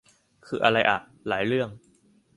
คืออะไรอ่ะ หลายเรื่อง